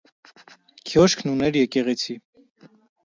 Քյոշքն ուներ եկեղեցի։